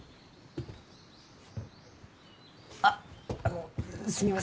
あっあのすみません